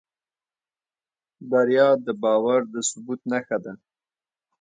بریا د باور د ثبوت نښه ده.